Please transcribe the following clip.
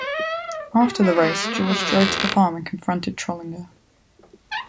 After the race, George drove to the farm and confronted Trolinger.